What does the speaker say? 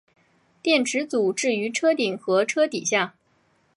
电池组置于车顶和车底下。